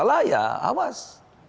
salah ya awas